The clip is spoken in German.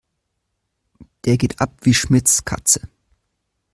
Der geht ab wie Schmitz' Katze.